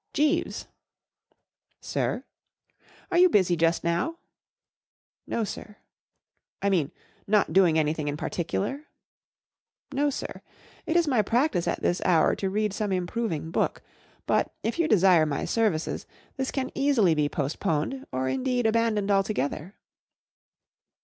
II Jeeves," Sir ?"" Are you busy just now ?"" No, sir." " I mean, not doing anything in par¬ ticular ?"" No, sir. It is my practice at this hour to read some improving book; but, if you desire my services, this can easily be post¬ poned, or, indeed, abandoned altogether.'